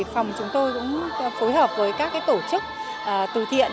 phòng chúng tôi cũng phối hợp với các tổ chức từ thiện